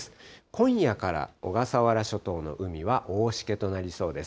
今夜から小笠原諸島の海は大しけとなりそうです。